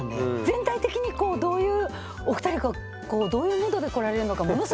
全体的にこうどういうお二人がこうどういうムードで来られるのかものすごく気になります。